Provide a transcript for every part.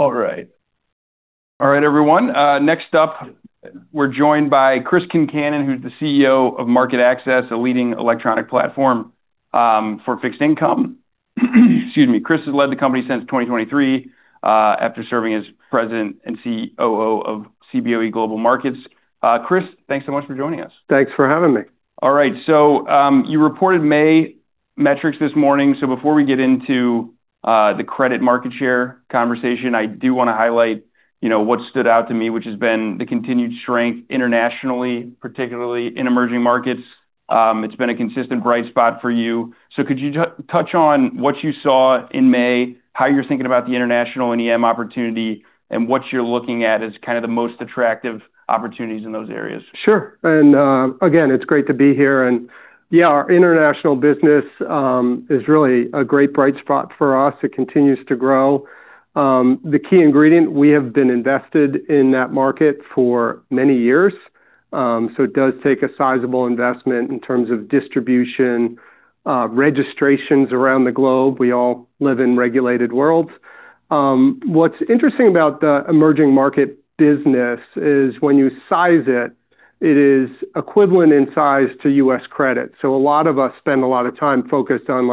All right. All right, everyone. Next up, we're joined by Chris Concannon, who's the CEO of MarketAxess, a leading electronic platform for fixed income. Excuse me. Chris has led the company since 2023, after serving as President and COO of Cboe Global Markets. Chris, thanks so much for joining us. Thanks for having me. All right. You reported May metrics this morning. Before we get into the credit market share conversation, I do want to highlight what stood out to me, which has been the continued strength internationally, particularly in emerging markets. It's been a consistent bright spot for you. Could you touch on what you saw in May, how you're thinking about the international and EM opportunity, and what you're looking at as kind of the most attractive opportunities in those areas? Sure. Again, it's great to be here. Yeah, our international business is really a great bright spot for us. It continues to grow. The key ingredient, we have been invested in that market for many years. It does take a sizable investment in terms of distribution, registrations around the globe. We all live in regulated worlds. What's interesting about the emerging market business is when you size it is equivalent in size to U.S. credit. A lot of us spend a lot of time focused on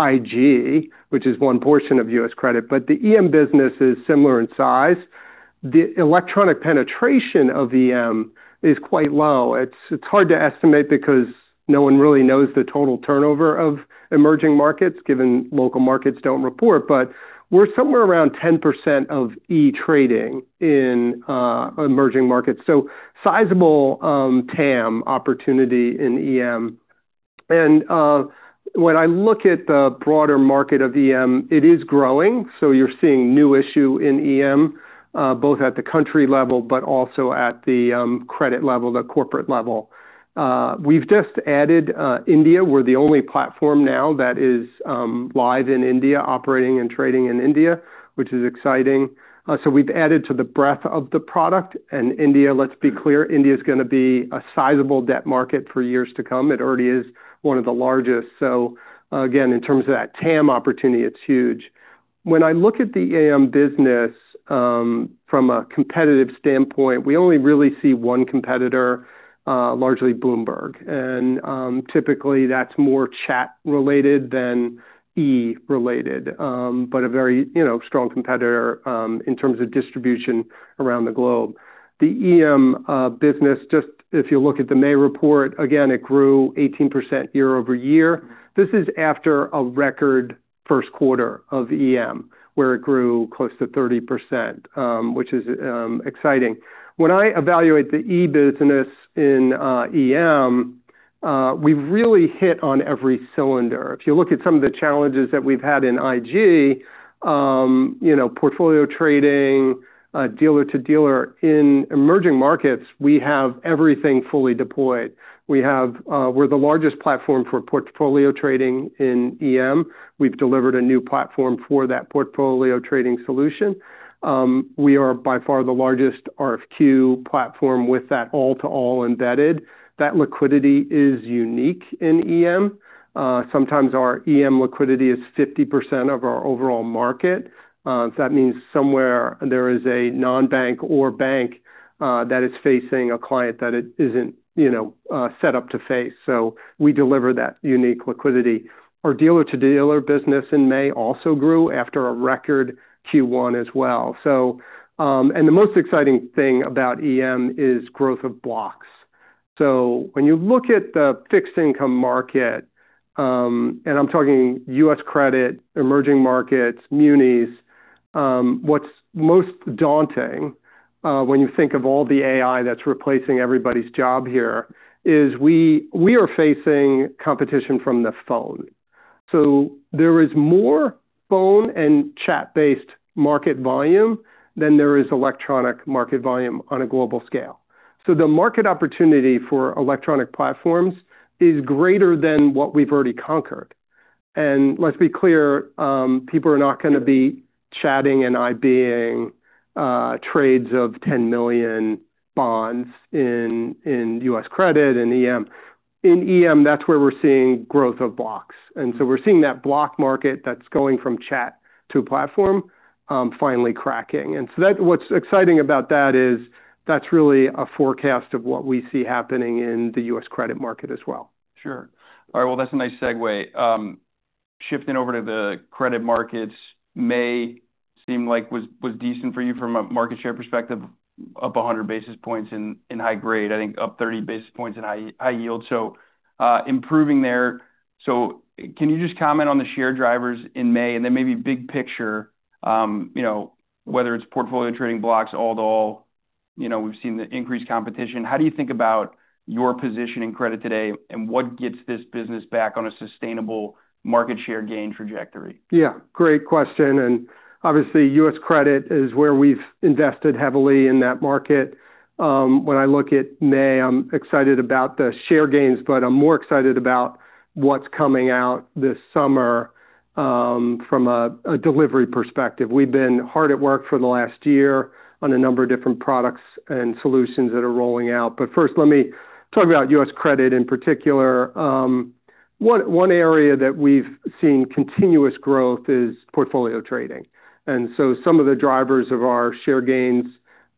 IG, which is one portion of U.S. credit, but the EM business is similar in size. The electronic penetration of EM is quite low. It's hard to estimate because no one really knows the total turnover of emerging markets, given local markets don't report, but we're somewhere around 10% of e-trading in emerging markets. Sizable TAM opportunity in EM. When I look at the broader market of EM, it is growing. You're seeing new issue in EM, both at the country level, but also at the credit level, the corporate level. We've just added India. We're the only platform now that is live in India, operating and trading in India, which is exciting. We've added to the breadth of the product. India, let's be clear, India's going to be a sizable debt market for years to come. It already is one of the largest. Again, in terms of that TAM opportunity, it's huge. When I look at the EM business, from a competitive standpoint, we only really see one competitor, largely Bloomberg. Typically that's more chat related than E related. A very strong competitor in terms of distribution around the globe. The EM business, just if you look at the May report, again, it grew 18% year-over-year. This is after a record first quarter of EM, where it grew close to 30%, which is exciting. When I evaluate the E business in EM, we've really hit on every cylinder. If you look at some of the challenges that we've had in IG, portfolio trading, dealer-to-dealer. In emerging markets, we have everything fully deployed. We're the largest platform for portfolio trading in EM. We've delivered a new platform for that portfolio trading solution. We are by far the largest RFQ platform with that all-to-all embedded. That liquidity is unique in EM. Sometimes our EM liquidity is 50% of our overall market. That means somewhere there is a non-bank or bank that is facing a client that it isn't set up to face. We deliver that unique liquidity. Our dealer-to-dealer business in May also grew after a record Q1 as well. The most exciting thing about EM is growth of blocks. When you look at the fixed income market, and I'm talking U.S. credit, emerging markets, munis, what's most daunting, when you think of all the AI that's replacing everybody's job here, is we are facing competition from the phone. There is more phone and chat-based market volume than there is electronic market volume on a global scale. The market opportunity for electronic platforms is greater than what we've already conquered. Let's be clear, people are not going to be chatting and IBing trades of 10 million bonds in U.S. credit, in EM. In EM, that's where we're seeing growth of blocks. We're seeing that block market that's going from chat to platform finally cracking. What's exciting about that is that's really a forecast of what we see happening in the U.S. credit market as well. Sure. All right. Well, that's a nice segue. Shifting over to the credit markets, May seemed like was decent for you from a market share perspective. Up 100 basis points in high grade, I think up 30 basis points in high yield. Improving there. Can you just comment on the share drivers in May, and then maybe big picture, whether it's portfolio trading blocks, all-to-all, we've seen the increased competition. How do you think about your position in credit today, and what gets this business back on a sustainable market share gain trajectory? Yeah, great question. Obviously U.S. credit is where we've invested heavily in that market. When I look at May, I'm excited about the share gains, I'm more excited about what's coming out this summer from a delivery perspective. We've been hard at work for the last year on a number of different products and solutions that are rolling out. First, let me talk about U.S. credit in particular. One area that we've seen continuous growth is portfolio trading. Some of the drivers of our share gains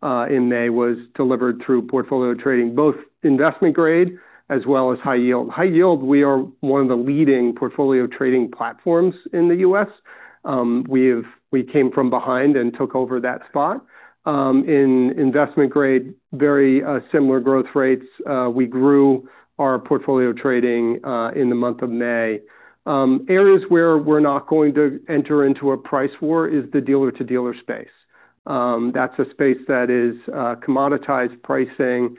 in May was delivered through portfolio trading, both investment grade as well as high yield. High yield, we are one of the leading portfolio trading platforms in the U.S. We came from behind and took over that spot. In investment grade, very similar growth rates. We grew our portfolio trading in the month of May. Areas where we're not going to enter into a price war is the dealer-to-dealer space. That's a space that is commoditized pricing.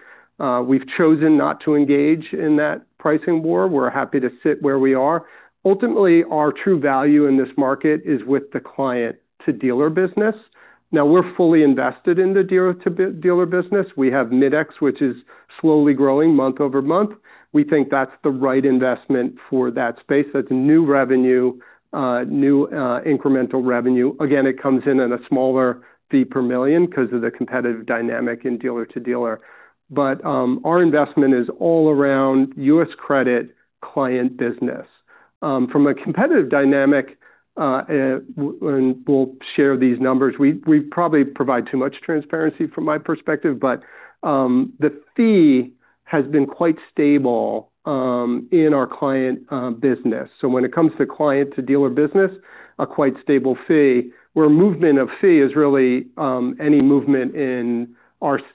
We've chosen not to engage in that pricing war. We're happy to sit where we are. Ultimately, our true value in this market is with the client-to-dealer business. We're fully invested in the dealer-to-dealer business. We have Mid-X, which is slowly growing month-over-month. We think that's the right investment for that space. That's new revenue, new incremental revenue. Again, it comes in at a smaller fee per million because of the competitive dynamic in dealer-to-dealer. Our investment is all around U.S. credit client business. From a competitive dynamic, we'll share these numbers. We probably provide too much transparency from my perspective, the fee has been quite stable in our client business. When it comes to client to dealer business, a quite stable fee, where movement of fee is really any movement in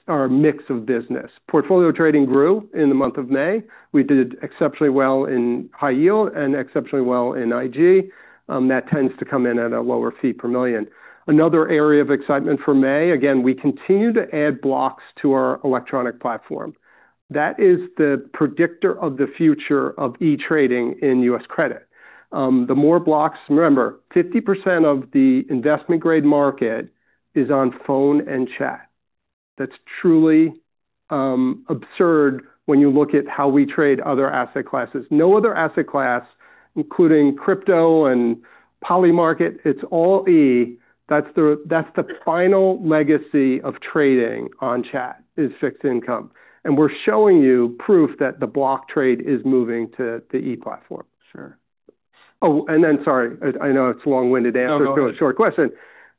our mix of business. Portfolio trading grew in the month of May. We did exceptionally well in high yield and exceptionally well in IG. That tends to come in at a lower fee per million. Another area of excitement for May, again, we continue to add blocks to our electronic platform. That is the predictor of the future of e-trading in U.S. credit. The more blocks. Remember, 50% of the investment-grade market is on phone and chat. That's truly absurd when you look at how we trade other asset classes. No other asset class, including crypto and Polymarket, it's all E. That's the final legacy of trading on chat is fixed income. We're showing you proof that the block trade is moving to the E-platform. Sure. Oh, sorry. I know it's a long-winded answer. No, go ahead. To a short question.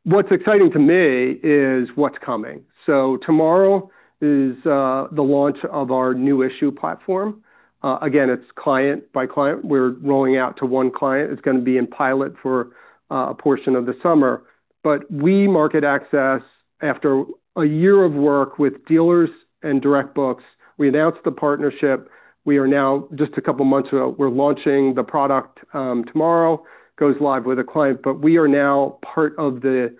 What's exciting to me is what's coming. Tomorrow is the launch of our new issue platform. Again, it's client by client. We're rolling out to one client. It's going to be in pilot for a portion of the summer. We, MarketAxess, after a year of work with dealers and DirectBooks, we announced the partnership. We are now just a couple of months ago, we're launching the product tomorrow, goes live with a client, but we are now part of the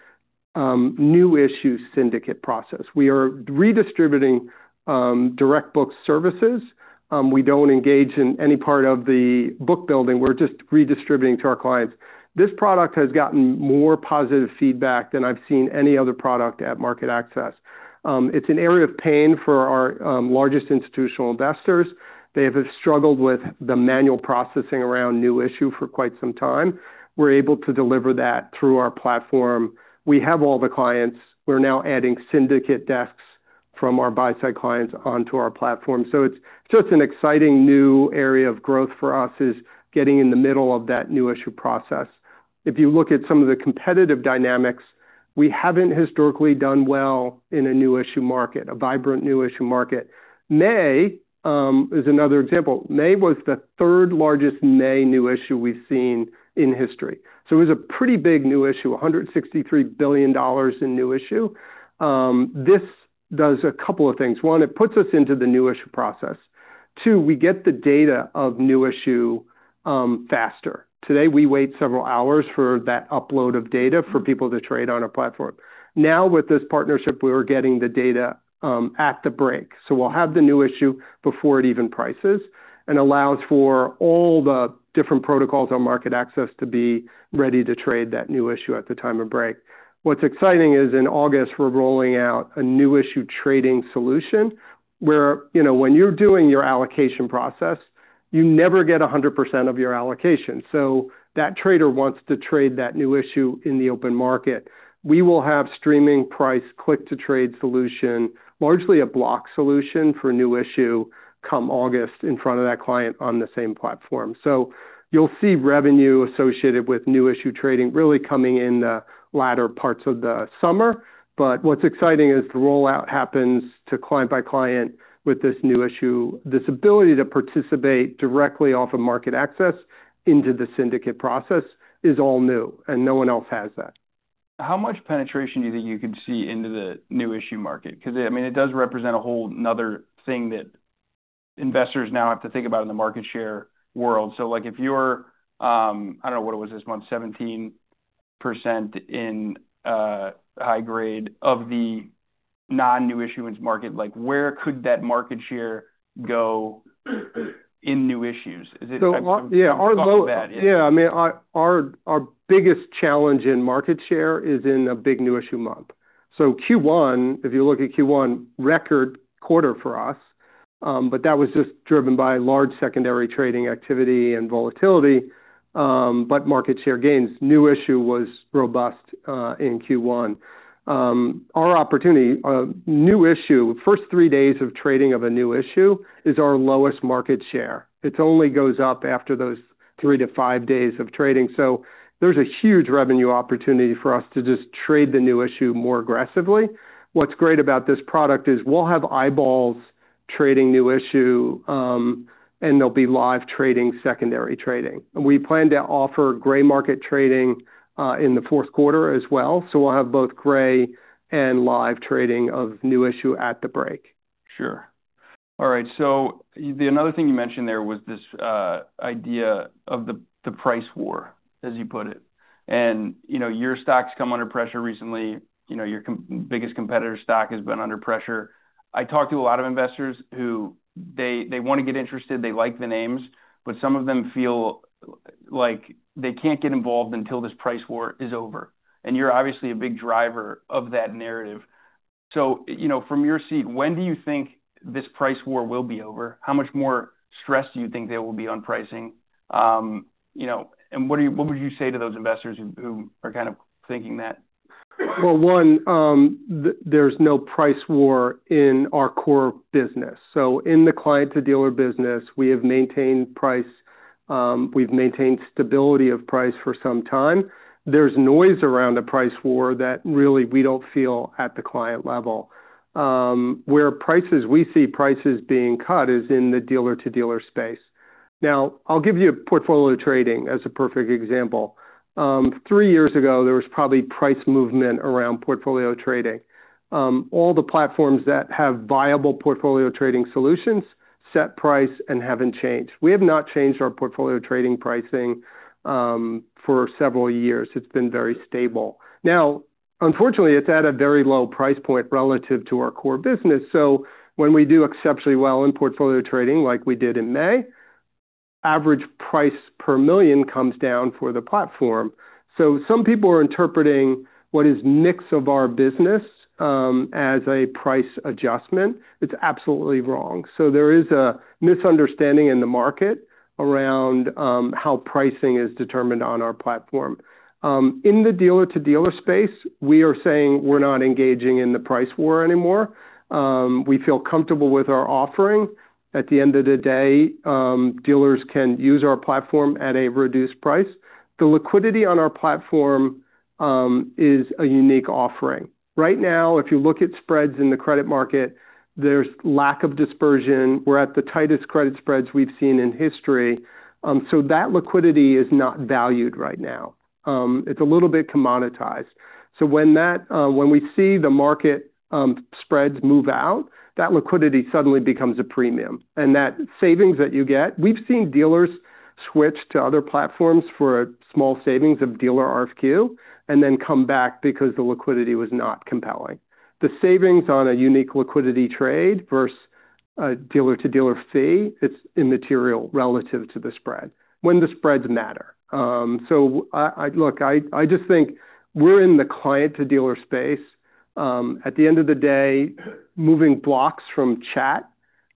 new issue syndicate process. We are redistributing DirectBooks services. We don't engage in any part of the book building. We're just redistributing to our clients. This product has gotten more positive feedback than I've seen any other product at MarketAxess. It's an area of pain for our largest institutional investors. They have struggled with the manual processing around new issue for quite some time. We're able to deliver that through our platform. We have all the clients. We're now adding syndicate desks from our buy-side clients onto our platform. It's an exciting new area of growth for us is getting in the middle of that new issue process. If you look at some of the competitive dynamics, we haven't historically done well in a new issue market, a vibrant new issue market. May is another example. May was the third-largest May new issue we've seen in history. It was a pretty big new issue, $163 billion in new issue. This does a couple of things. One, it puts us into the new issue process. Two, we get the data of new issue faster. Today, we wait several hours for that upload of data for people to trade on our platform. With this partnership, we are getting the data at the break. We'll have the new issue before it even prices and allows for all the different protocols on MarketAxess to be ready to trade that new issue at the time of break. What's exciting is in August, we're rolling out a new issue trading solution, where when you're doing your allocation process, you never get 100% of your allocation. That trader wants to trade that new issue in the open market. We will have streaming price click-to-trade solution, largely a block solution for new issue come August in front of that client on the same platform. You'll see revenue associated with new issue trading really coming in the latter parts of the summer. What's exciting is the rollout happens to client by client with this new issue. This ability to participate directly off of MarketAxess into the syndicate process is all new, and no one else has that. How much penetration do you think you could see into the new issue market? It does represent a whole another thing that investors now have to think about in the market share world. Like if you're, I don't know, what it was this month, 17% in high grade of the non-new issuance market, like where could that market share go in new issues? Yeah. Talk about it. Yeah. Our biggest challenge in market share is in a big new issue month. Q1, if you look at Q1, record quarter for us, but that was just driven by large secondary trading activity and volatility. Market share gains, new issue was robust in Q1. Our opportunity, new issue, first three days of trading of a new issue is our lowest market share. It only goes up after those three to five days of trading. There's a huge revenue opportunity for us to just trade the new issue more aggressively. What's great about this product is we'll have eyeballs trading new issue, and there'll be live trading, secondary trading. We plan to offer gray market trading, in the fourth quarter as well. We'll have both gray and live trading of new issue at the break. Sure. All right. Another thing you mentioned there was this idea of the price war, as you put it. Your stock's come under pressure recently. Your biggest competitor's stock has been under pressure. I talk to a lot of investors who, they want to get interested, they like the names, but some of them feel like they can't get involved until this price war is over. You're obviously a big driver of that narrative. From your seat, when do you think this price war will be over? How much more stress do you think there will be on pricing? What would you say to those investors who are kind of thinking that? One, there's no price war in our core business. In the client-to-dealer business, we have maintained price, we've maintained stability of price for some time. There's noise around a price war that really we don't feel at the client level. Where prices, we see prices being cut is in the dealer-to-dealer space. I'll give you portfolio trading as a perfect example. Three years ago, there was probably price movement around portfolio trading. All the platforms that have viable portfolio trading solutions set price and haven't changed. We have not changed our portfolio trading pricing, for several years. It's been very stable. Unfortunately, it's at a very low price point relative to our core business. When we do exceptionally well in portfolio trading, like we did in May, average price per million comes down for the platform. Some people are interpreting what is Mid-X of our business, as a price adjustment. It's absolutely wrong. There is a misunderstanding in the market around how pricing is determined on our platform. In the dealer-to-dealer space, we are saying we're not engaging in the price war anymore. We feel comfortable with our offering. At the end of the day, dealers can use our platform at a reduced price. The liquidity on our platform is a unique offering. Right now, if you look at spreads in the credit market, there's lack of dispersion. We're at the tightest credit spreads we've seen in history. That liquidity is not valued right now. It's a little bit commoditized. When we see the market spreads move out, that liquidity suddenly becomes a premium. That savings that you get, we've seen dealers switch to other platforms for a small savings of dealer RFQ, then come back because the liquidity was not compelling. The savings on a unique liquidity trade versus a dealer-to-dealer fee, it's immaterial relative to the spread, when the spreads matter. Look, I just think we're in the client-to-dealer space. At the end of the day, moving blocks from chat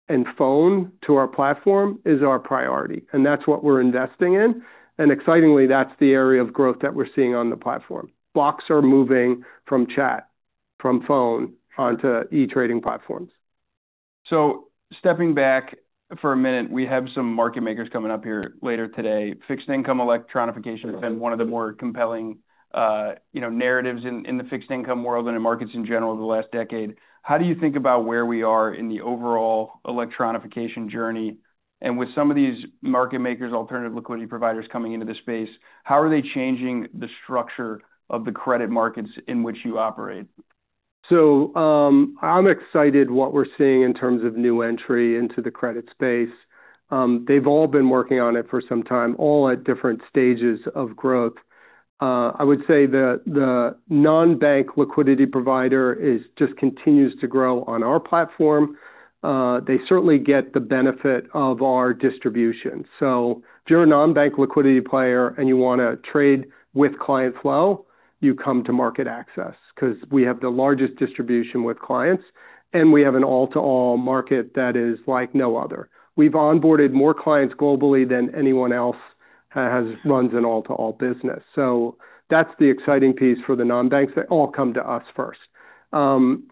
and phone to our platform is our priority. That's what we're investing in. Excitingly, that's the area of growth that we're seeing on the platform. Blocks are moving from chat, from phone onto e-trading platforms. Stepping back for a minute, we have some market makers coming up here later today. Fixed income electronification has been one of the more compelling narratives in the fixed income world and in markets in general over the last decade. How do you think about where we are in the overall electronification journey? With some of these market makers, alternative liquidity providers coming into this space, how are they changing the structure of the credit markets in which you operate? I'm excited what we're seeing in terms of new entry into the credit space. They've all been working on it for some time, all at different stages of growth. I would say that the non-bank liquidity provider just continues to grow on our platform. They certainly get the benefit of our distribution. If you're a non-bank liquidity player, and you want to trade with client flow, you come to MarketAxess because we have the largest distribution with clients, and we have an all-to-all market that is like no other. We've onboarded more clients globally than anyone else who runs an all-to-all business. That's the exciting piece for the non-banks. They all come to us first. Now,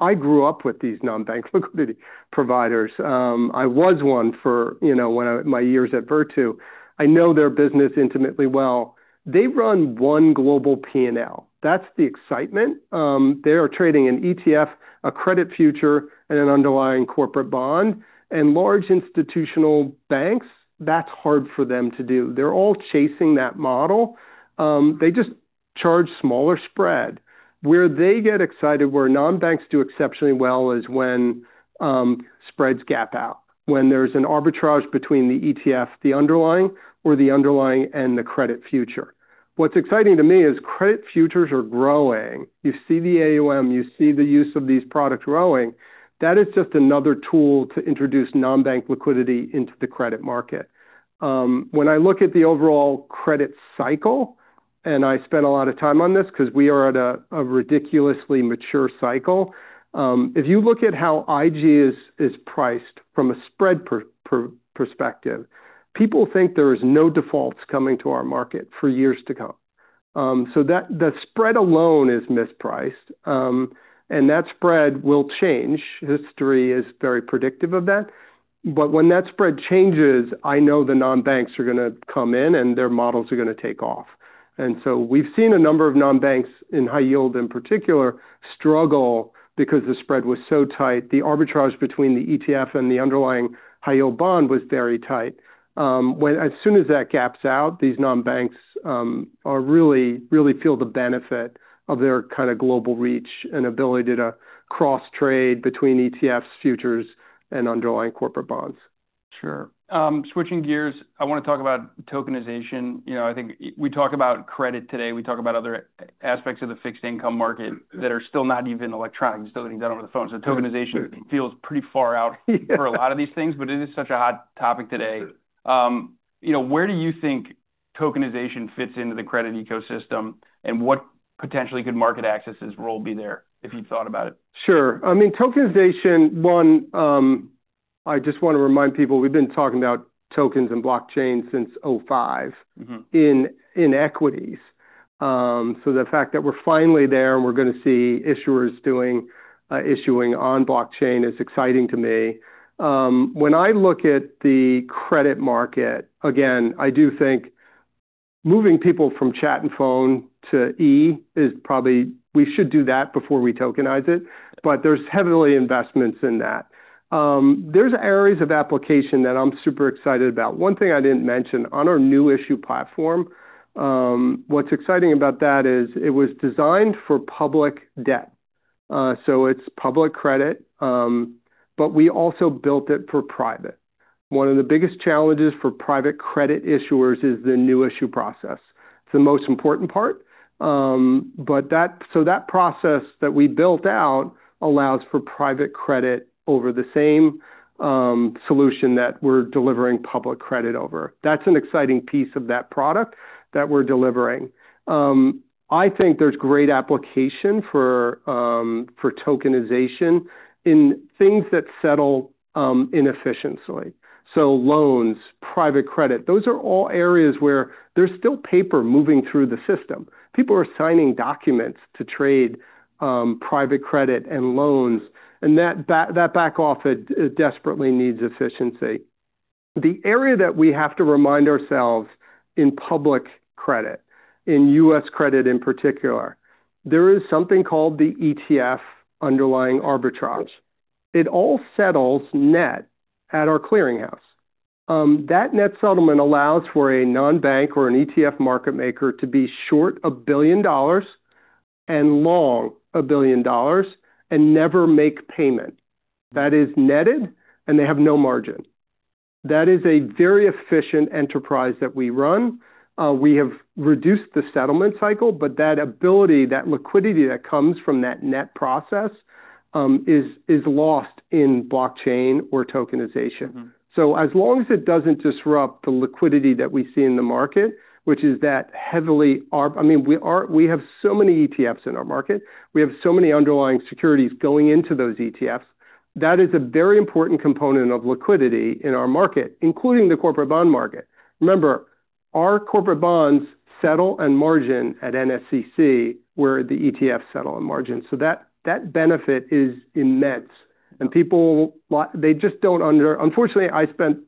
I grew up with these non-bank liquidity providers. I was one for one of my years at Virtu. I know their business intimately well. They run one global P&L. That's the excitement. They are trading an ETF, a credit future, and an underlying corporate bond. Large institutional banks, that's hard for them to do. They're all chasing that model. They just charge smaller spread. Where they get excited, where non-banks do exceptionally well is when spreads gap out, when there's an arbitrage between the ETF, the underlying, or the underlying and the credit future. What's exciting to me is credit futures are growing. You see the AUM, you see the use of these products growing. That is just another tool to introduce non-bank liquidity into the credit market. When I look at the overall credit cycle. I spent a lot of time on this because we are at a ridiculously mature cycle. If you look at how IG is priced from a spread perspective, people think there is no defaults coming to our market for years to come. The spread alone is mispriced, and that spread will change. History is very predictive of that. When that spread changes, I know the non-banks are going to come in and their models are going to take off. We've seen a number of non-banks in high yield, in particular, struggle because the spread was so tight, the arbitrage between the ETF and the underlying high-yield bond was very tight. As soon as that gaps out, these non-banks really feel the benefit of their kind of global reach and ability to cross-trade between ETFs, futures, and underlying corporate bonds. Sure. Switching gears, I want to talk about tokenization. I think we talk about credit today, we talk about other aspects of the fixed income market that are still not even electronic, still getting done over the phone. Tokenization feels pretty far out. Yeah. for a lot of these things, but it is such a hot topic today. Where do you think tokenization fits into the credit ecosystem, and what potentially could MarketAxess' role be there, if you've thought about it? Sure. I mean, tokenization, one, I just want to remind people, we've been talking about tokens and blockchain since 2005. In equities. The fact that we're finally there and we're going to see issuers doing issuing on blockchain is exciting to me. When I look at the credit market, again, I do think moving people from chat and phone to E is probably, we should do that before we tokenize it, but there's heavy investments in that. There's areas of application that I'm super excited about. One thing I didn't mention, on our new issue platform, what's exciting about that is it was designed for public debt. It's public credit. We also built it for private. One of the biggest challenges for private credit issuers is the new issue process. It's the most important part. That process that we built out allows for private credit over the same solution that we're delivering public credit over. That's an exciting piece of that product that we're delivering. I think there's great application for tokenization in things that settle inefficiently. Loans, private credit, those are all areas where there's still paper moving through the system. People are signing documents to trade private credit and loans, that back office desperately needs efficiency. The area that we have to remind ourselves in public credit, in U.S. credit in particular, there is something called the ETF underlying arbitrage. It all settles net at our clearing house. That net settlement allows for a non-bank or an ETF market maker to be short $1 billion and long $1 billion and never make payment. That is netted, and they have no margin. That is a very efficient enterprise that we run. We have reduced the settlement cycle, that ability, that liquidity that comes from that net process is lost in blockchain or tokenization. As long as it doesn't disrupt the liquidity that we see in the market, which is that. We have so many ETFs in our market. We have so many underlying securities going into those ETFs. That is a very important component of liquidity in our market, including the corporate bond market. Remember, our corporate bonds settle and margin at NSCC, where the ETFs settle and margin. That benefit is immense. People, they just don't. Unfortunately, I spent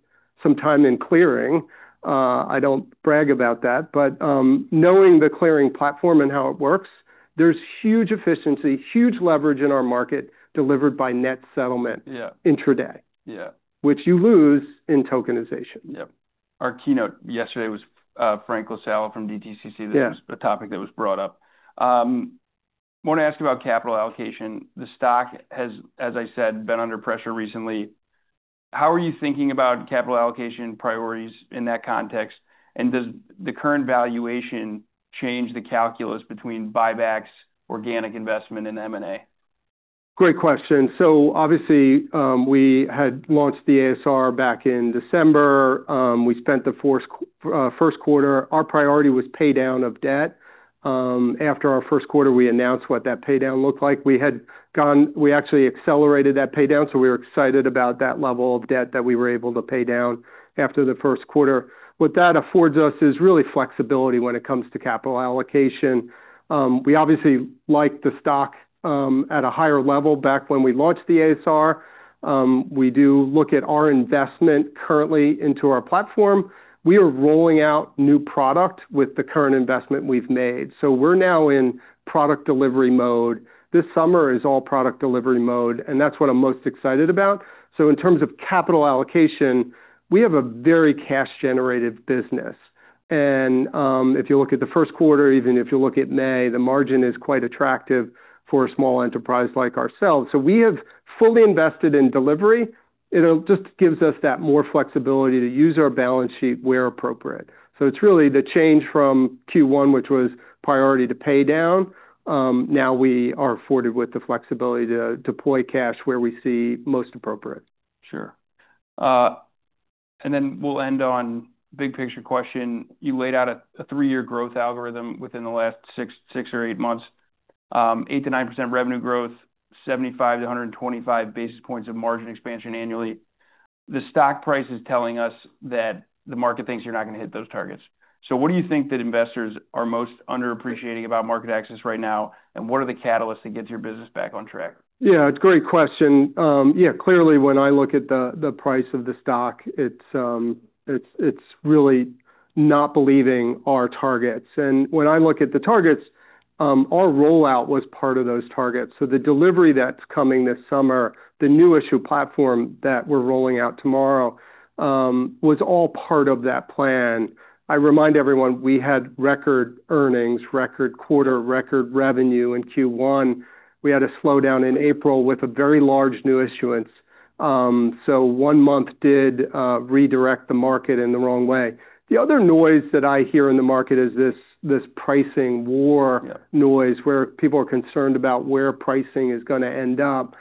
some time in clearing. I don't brag about that, but knowing the clearing platform and how it works, there's huge efficiency, huge leverage in our market delivered by net settlement. Yeah Intraday. Yeah. Which you lose in tokenization. Yep. Our keynote yesterday was Frank La Salla from DTCC. Yeah. That was the topic that was brought up. Want to ask about capital allocation. The stock has, as I said, been under pressure recently. How are you thinking about capital allocation priorities in that context? Does the current valuation change the calculus between buybacks, organic investment, and M&A? Great question. Obviously, we had launched the ASR back in December. We spent the first quarter, our priority was pay-down of debt. After our first quarter, we announced what that pay-down looked like. We actually accelerated that pay-down, so we were excited about that level of debt that we were able to pay down after the first quarter. What that affords us is really flexibility when it comes to capital allocation. We obviously like the stock at a higher level back when we launched the ASR. We do look at our investment currently into our platform. We are rolling out new product with the current investment we've made. We're now in product delivery mode. This summer is all product delivery mode, and that's what I'm most excited about. In terms of capital allocation, we have a very cash-generated business. If you look at the first quarter, even if you look at May, the margin is quite attractive for a small enterprise like ourselves. We have fully invested in delivery. It just gives us that more flexibility to use our balance sheet where appropriate. It's really the change from Q1, which was priority to pay down. Now we are afforded with the flexibility to deploy cash where we see most appropriate. Sure. Then we'll end on big-picture question. You laid out a three-year growth algorithm within the last six or eight months. 8%-9% revenue growth, 75-125 basis points of margin expansion annually. The stock price is telling us that the market thinks you're not going to hit those targets. What do you think that investors are most under-appreciating about MarketAxess right now, and what are the catalysts to get your business back on track? It's a great question. Clearly, when I look at the price of the stock, it's really not believing our targets. When I look at the targets, our rollout was part of those targets. The delivery that's coming this summer, the new issue platform that we're rolling out tomorrow, was all part of that plan. I remind everyone, we had record earnings, record quarter, record revenue in Q1. We had a slowdown in April with a very large new issuance. One month did redirect the market in the wrong way. The other noise that I hear in the market is this pricing war. Yeah Noise, where people are concerned about where pricing is going to end up.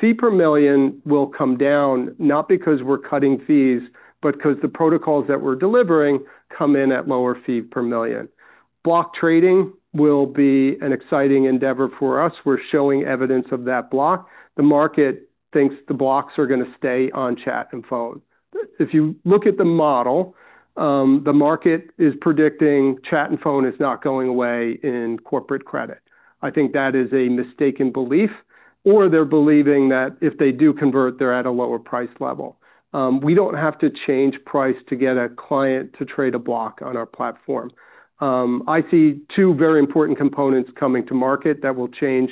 fee per million will come down, not because we're cutting fees, but because the protocols that we're delivering come in at lower fee per million. block trading will be an exciting endeavor for us. We're showing evidence of that block. The market thinks the blocks are going to stay on chat and phone. If you look at the model, the market is predicting chat and phone is not going away in corporate credit. I think that is a mistaken belief, or they're believing that if they do convert, they're at a lower price level. We don't have to change price to get a client to trade a block on our platform. I see two very important components coming to market that will change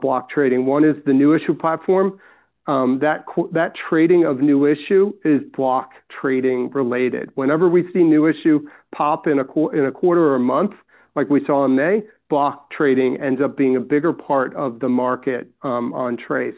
block trading. One is the new issue platform. That trading of new issue is block trading related. Whenever we see new issue pop in a quarter or a month, like we saw in May, block trading ends up being a bigger part of the market on TRACE.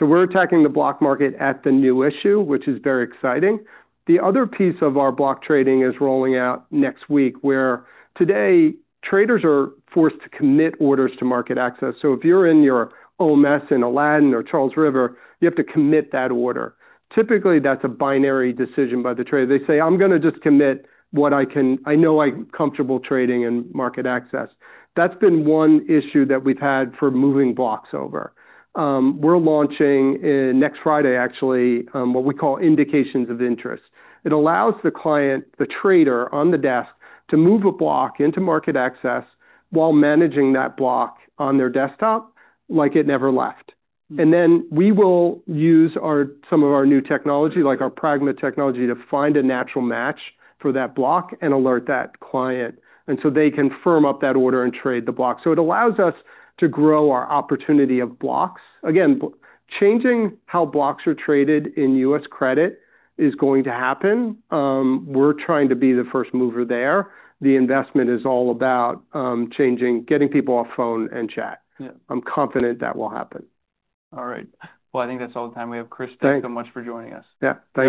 We're attacking the block market at the new issue, which is very exciting. The other piece of our block trading is rolling out next week, where today, traders are forced to commit orders to MarketAxess. If you're in your OMS in Aladdin or Charles River, you have to commit that order. Typically, that's a binary decision by the trader. They say, "I'm going to just commit what I know I'm comfortable trading in MarketAxess." That's been one issue that we've had for moving blocks over. We're launching next Friday actually, what we call indications of interest. It allows the client, the trader on the desk, to move a block into MarketAxess while managing that block on their desktop like it never left. Then we will use some of our new technology, like our Pragma technology, to find a natural match for that block and alert that client, so they can firm up that order and trade the block. It allows us to grow our opportunity of blocks. Again, changing how blocks are traded in U.S. credit is going to happen. We're trying to be the first mover there. The investment is all about getting people off phone and chat. Yeah. I'm confident that will happen. All right. Well, I think that's all the time we have. Thanks. Chris, thank you so much for joining us. Yeah.